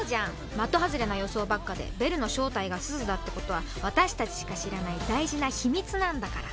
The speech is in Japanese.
的外れな予想ばっかでベルの正体がすずだってことは私たちしか知らない大事な秘密なんだから。